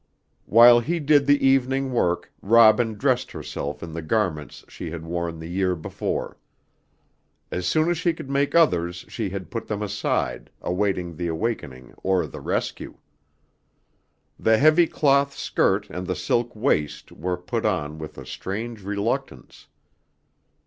While he did the evening work Robin dressed herself in the garments she had worn the year before. As soon as she could make others she had put them aside, awaiting the awakening or the rescue. The heavy cloth skirt and the silk waist were put on with a strange reluctance.